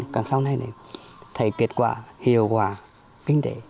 còn sau này thấy kết quả hiệu quả kinh tế